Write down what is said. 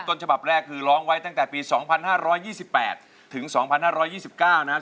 ต้นฉบับแรกคือร้องไว้ตั้งแต่ปี๒๕๒๘ถึง๒๕๒๙นะครับ